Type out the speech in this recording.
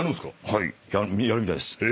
はいやるみたいです。